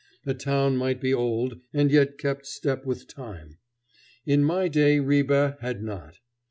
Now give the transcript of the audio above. A town might be old and yet have kept step with time. In my day Ribe had not.